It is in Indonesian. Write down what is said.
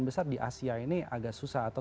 besar di asia ini agak susah atau